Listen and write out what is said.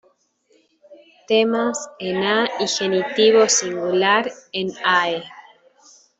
Temas en -a y genitivo singular en -ae.